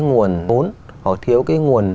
nguồn vốn hoặc thiếu cái nguồn